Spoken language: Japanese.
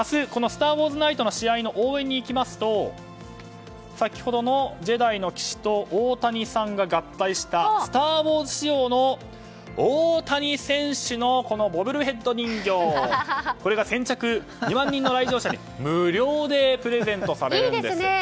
「スター・ウォーズ・ナイト」の試合の応援に行きますと先ほどのジェダイの騎士と大谷さんが合体した「スター・ウォーズ」仕様の大谷選手のボブルヘッド人形これが先着２万人の来場者に無料でプレゼントされるんです。